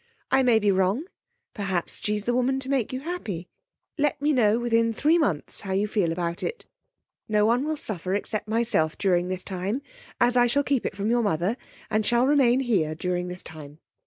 I may be wrong; perhaps she's the woman to make you happy. Let me know within three months how you feel about it. No one will suffer except myself during this time, as I shall keep it from your mother, and shall remain here during this time.